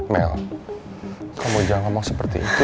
mel kamu jangan ngomong seperti itu